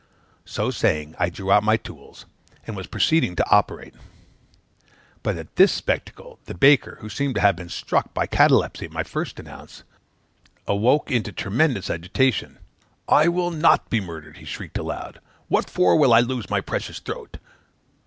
So saying, I drew out my tools; and was proceeding to operate. But at this spectacle, the baker, who seemed to have been struck by catalepsy at my first announce, awoke into tremendous agitation. 'I will not be murdered!' he shrieked aloud; 'what for will I lose my precious throat?'